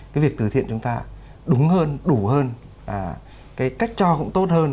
cái việc từ thiện chúng ta đúng hơn đủ hơn cái cách cho cũng tốt hơn